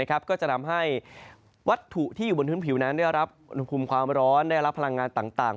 ก็จะทำให้วัตถุที่อยู่บนพื้นผิวนั้นได้รับอุณหภูมิความร้อนได้รับพลังงานต่าง